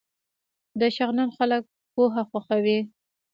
د شغنان خلک پوهه خوښوي